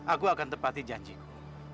aku akan tepati janjiku